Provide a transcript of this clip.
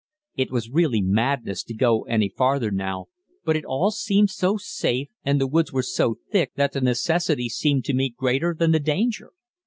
It was really madness to go any farther now, but it all seemed so safe and the woods were so thick that the necessity seemed to me greater than the danger.